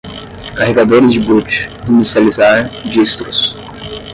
carregadores de boot, inicializar, distros